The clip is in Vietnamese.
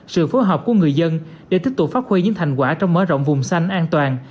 sự phối hợp của người dân để tiếp tục phát huy những thành quả trong mở rộng vùng xanh an toàn